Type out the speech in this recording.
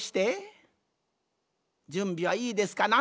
じゅんびはいいですかな？